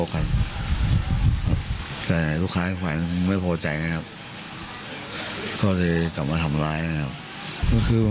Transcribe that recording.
กับพวกกาศน์และก็พนักงานที่อยู่ด้านหน้านะครับ